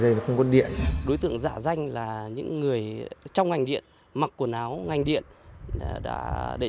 theo lời khai của đối tượng giá mỗi kg lõi đồng trộm được bán cho cáp vựa với liệu cao hơn một trăm linh nghìn đồng